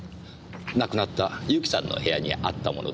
亡くなった由紀さんの部屋にあったものです。